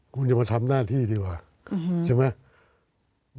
คุณอย่ามาทำหน้าที่ดีกว่าใช่ไหม